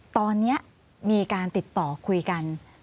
ตอนนี้มีการติดต่อคุยกัน